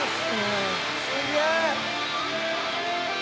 「すげえ！」